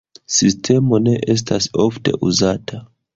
Sistemo ne estas ofte uzata.